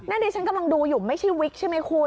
ดิฉันกำลังดูอยู่ไม่ใช่วิกใช่ไหมคุณ